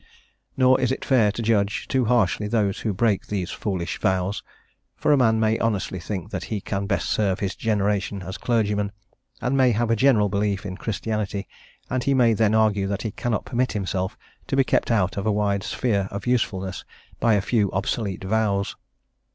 Nor is it fair to judge too harshly those who break these foolish vows, for a man may honestly think that he can best serve his generation as clergyman, and may have a general belief in Christianity, and he may then argue that he cannot permit himself to be kept out of a wide sphere of usefulness by a few obsolete vows.